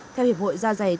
theo hiệp hội gia giày